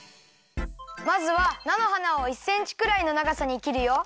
まずはなのはなを１センチくらいのながさにきるよ。